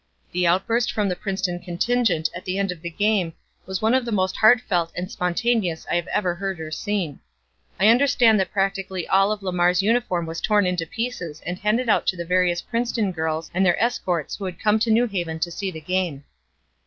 The outburst from the Princeton contingent at the end of the game was one of the most heartfelt and spontaneous I have ever heard or seen. I understand that practically all of Lamar's uniform was torn into pieces and handed out to the various Princeton girls and their escorts who had come to New Haven to see the game.